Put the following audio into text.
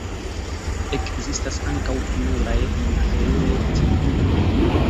Ekzistas ankaŭ pluraj monaĥejoj tie.